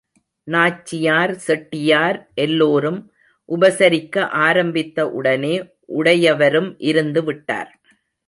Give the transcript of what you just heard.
நாச்சியார், செட்டியார் எல்லோரும் உபசரிக்க ஆரம்பித்த உடனே உடையவரும் இருந்து விட்டார்.